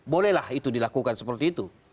bolehlah itu dilakukan seperti itu